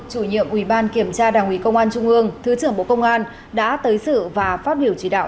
chủ nhiệm ủy ban kiểm tra đảng ủy công an trung ương thứ trưởng bộ công an đã tới sự và phát biểu chỉ đạo